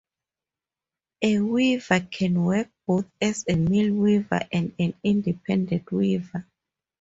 A weaver can work both as a mill weaver and an independent weaver.